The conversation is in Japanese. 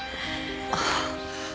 ああ。